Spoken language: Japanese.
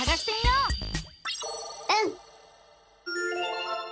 うん！